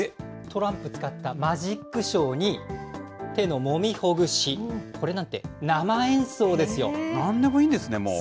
トランプ使ったマジックショーに、手のもみほぐし、これなんて、なんでもいいんですね、もう。